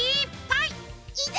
いざ